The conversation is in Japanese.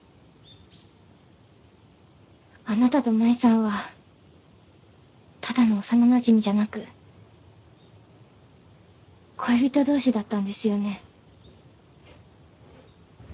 あなたと麻衣さんはただの幼なじみじゃなく恋人同士だったんですよね？